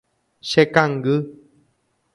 Chekangy.